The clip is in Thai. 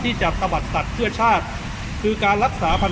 การรักษาธรรมดรรทัยสัญญาที่มีก่อต่อของประชาชน